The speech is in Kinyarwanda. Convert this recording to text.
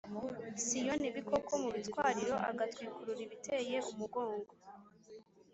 Siyoni ibikoko mu bitwariro agatwikurura ibiteye umugongo